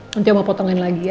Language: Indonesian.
nanti aku mau potongin lagi ya